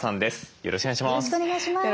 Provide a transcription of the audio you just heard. よろしくお願いします。